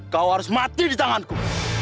kau harus mati di tanganku